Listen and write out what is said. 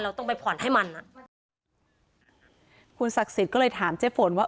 ต้องไปผ่อนให้มันอ่ะคุณศักดิ์สิทธิ์ก็เลยถามเจ๊ฝนว่า